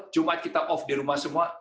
cuma kita off di rumah semua